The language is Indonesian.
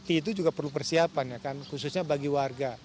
itu juga perlu persiapan ya kan khususnya bagi warga